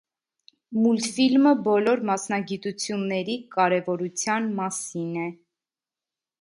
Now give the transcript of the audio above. Մուլտֆիլմը բոլոր մասնագիտությունների կարևորության մասին է։